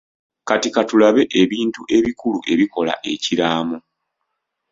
Kati katulabe ebintu ebikulu ebikulu ebikola ekiraamo.